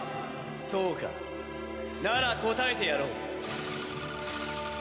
そうかならこたえてやろう。